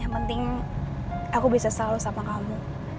yang penting aku bisa selalu sama kamu